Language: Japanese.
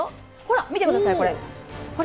見てください、これ。